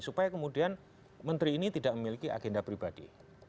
supaya kemudian menteri ini tidak memiliki agenda pribadi